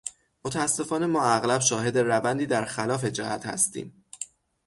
متاسفانه ما اغلب شاهد روندی در خلاف جهت هستیم